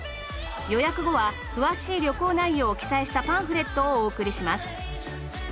予約後は詳しい旅行内容を記載したパンフレットをお送りします。